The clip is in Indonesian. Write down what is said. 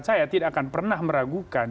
saya tidak akan pernah meragukan